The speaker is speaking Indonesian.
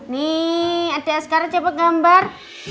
nih adek sekarang coba gambar